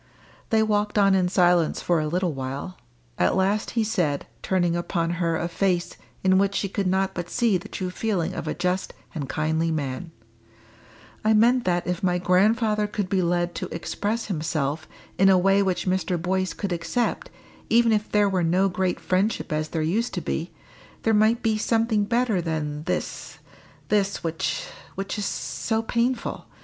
They walked on in silence for a little while. At last he said, turning upon her a face in which she could not but see the true feeling of a just and kindly man "I meant that if my grandfather could be led to express himself in a way which Mr. Boyce could accept, even if there were no great friendship as there used to be, there might be something better than this this, which which is so painful.